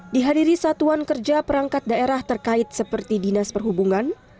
dihadiri satuan kerja perangkat daerah terkait seperti dinas perhubungan